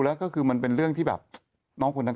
หูชมมันก็ดูกันแล้ว